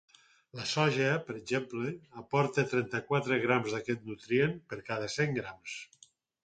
La soja, per exemple, aporta trenta-quatre grams d’aquest nutrient per cada cent grams.